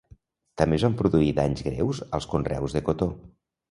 També es van produir danys greus als conreus de cotó.